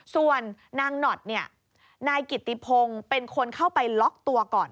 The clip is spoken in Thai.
ส่วนนางหนอดเนี่ยนายกิติพงศ์เป็นคนเข้าไปล็อกตัวก่อน